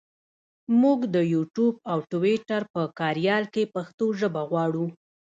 مونږ د یوټوپ او ټویټر په کاریال کې پښتو ژبه غواړو.